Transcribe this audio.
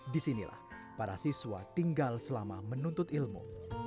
di sinilah para siswa tinggal selama menuntut ilmu